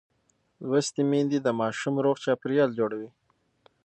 لوستې میندې د ماشوم روغ چاپېریال جوړوي.